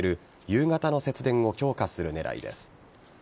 夕方の節電を強化する狙いです。